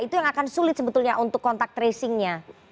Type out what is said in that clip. itu yang akan sulit sebetulnya untuk kontak tracingnya